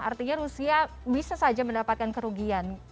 artinya rusia bisa saja mendapatkan kerugian